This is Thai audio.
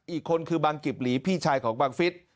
อีกคนคือบังกิบหลีพี่ชายของบังฟิศ